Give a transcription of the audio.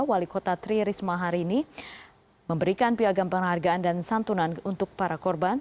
wali kota tri risma hari ini memberikan piagam penghargaan dan santunan untuk para korban